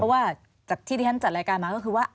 เพราะว่าจากที่ที่ฉันจัดรายการมาก็คือว่า